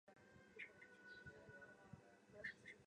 有子萧士赟。